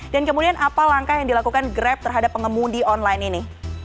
dan kemudian apa langkah yang dilakukan grab terhadap pengemudi online ini